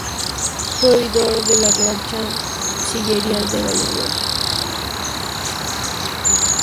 Fue oidor de la Real Chancillería de Valladolid.